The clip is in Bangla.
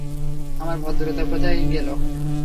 আমার ভদ্রতা কোথায় গেল?